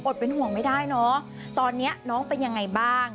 อดเป็นห่วงไม่ได้เนาะตอนเนี่ยน้องเป็นอย่างไรบ้าง